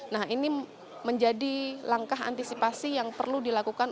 nah ini menjadi langkah antisipasi yang perlu dilakukan